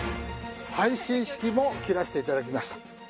最新式も切らしていただきました。